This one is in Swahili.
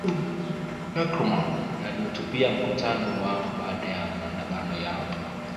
Nkrumah alihutubia mkutano wao baada ya maandamano yao